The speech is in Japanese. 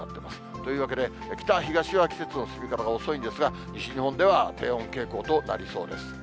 というわけで、北、東は季節の進み方が遅いんですが、西日本では低温傾向となりそうです。